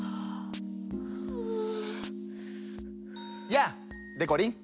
やあでこりん。